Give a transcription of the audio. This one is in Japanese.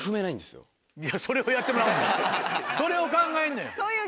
それを考えんねん。